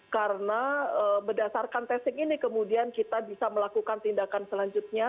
karena berdasarkan testing ini kemudian kita bisa melakukan tindakan selanjutnya